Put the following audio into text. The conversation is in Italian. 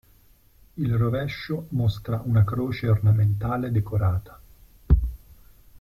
Il rovescio mostra una croce ornamentale decorata.